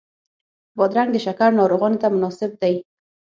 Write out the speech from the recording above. بادرنګ د شکر ناروغانو ته مناسب دی.